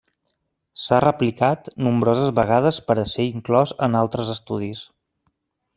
S'ha replicat nombroses vegades per a ser inclòs en altres estudis.